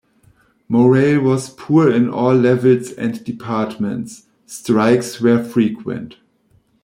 Morale was poor in all levels and departments; strikes were frequent.